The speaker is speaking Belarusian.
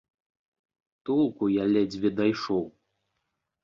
Толку я ледзьве дайшоў.